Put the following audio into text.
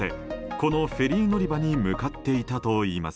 このフェリー乗り場に向かっていたといいます。